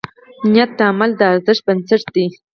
نیت د عمل د ارزښت بنسټ دی.